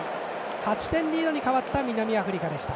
８点リードに変わった南アフリカ。